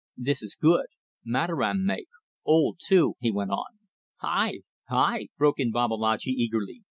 "This is good. Mataram make. Old, too," he went on. "Hai!" broke in Babalatchi, eagerly.